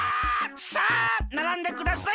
さあならんでください！